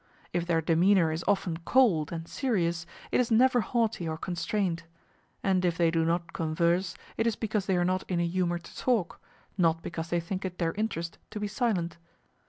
If their demeanor is often cold and serious, it is never haughty or constrained; and if they do not converse, it is because they are not in a humor to talk, not because they think it their interest to be silent.